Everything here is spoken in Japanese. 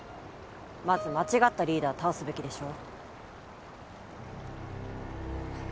まず間違ったリーダーを倒すべきでしょ。